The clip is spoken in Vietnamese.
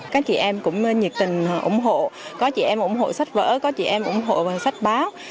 các chị em cũng nhiệt tình ủng hộ có chị em ủng hộ sách vở có chị em ủng hộ sách báo